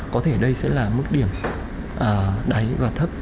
có thể đây sẽ là mức điểm đáy và thấp